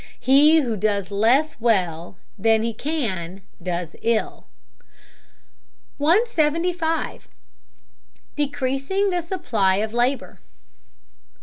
"He who does less well than he can does ill." 175. DECREASING THE SUPPLY OF LABOR.